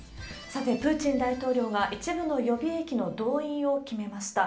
さて、プーチン大統領が一部の予備役の動員を決めました。